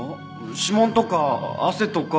指紋とか汗とか。